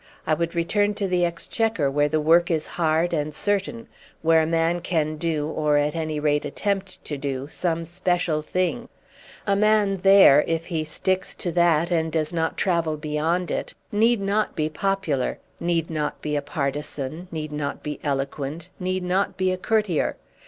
I would return to the Exchequer where the work is hard and certain, where a man can do, or at any rate attempt to do, some special thing. A man there if he sticks to that and does not travel beyond it, need not be popular, need not be a partisan, need not be eloquent, need not be a courtier.